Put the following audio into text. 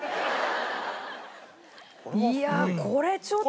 いやあこれちょっとさ。